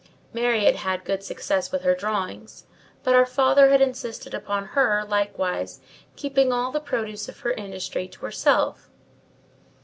Mary had had good success with her drawings; but our father had insisted upon her likewise keeping all the produce of her industry to herself.